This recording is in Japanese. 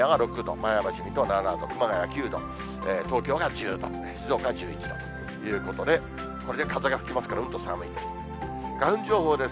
前橋、水戸７度、熊谷９度、東京が１０度、静岡１１度、ということで、これで風が吹きますから、うんと寒いです。